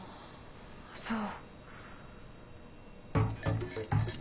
そう。